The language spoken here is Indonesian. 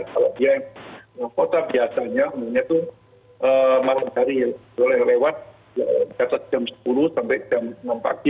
kalau dia yang kota biasanya umumnya itu malam hari boleh lewat di atas jam sepuluh sampai jam enam pagi